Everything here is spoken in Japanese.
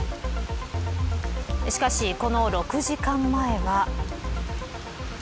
しかし、この６時間前は。